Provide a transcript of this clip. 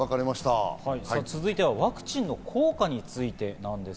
続いてはワクチンの効果についてです。